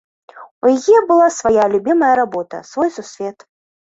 У яе была свая любімая работа, свой сусвет.